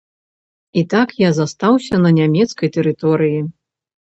І так я застаўся на нямецкай тэрыторыі.